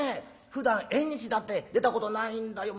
ふだん縁日だって出たことないんだよ。